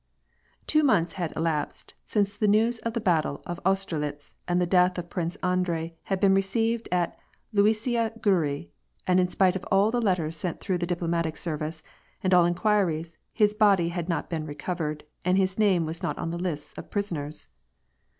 Two months had elapsed since news of the battle of Auster litz and the death of Prince Andrei had been received at Lnisiya Gorui, and in spite of all the letters sent through the diplomatic service, and all inquiries, his body had not been re ; covered, and his name was not on the lists of prisoners.